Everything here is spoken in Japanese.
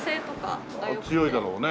強いだろうね。